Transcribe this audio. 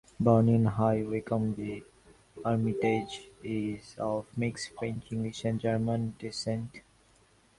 Born in High Wycombe, Armitage is of mixed French, English, and German descent.